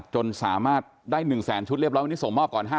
จนสามารถได้๑๐๐๐๐๐ชุดเรียบร้อยนี่ส่งมอบก่อน๕๐๐๐๐